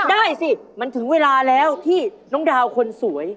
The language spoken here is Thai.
ได้สิมันถึงเวลาแล้วที่น้องดาวคนสวย